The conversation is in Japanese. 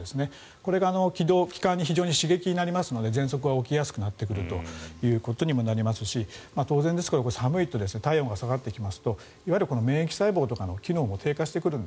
これが気管に非常に刺激になりますのでぜんそくが起きやすくなってくることになりますし当然、寒いと体温が下がってきますといわゆる免疫細胞とかの機能も低下してくる。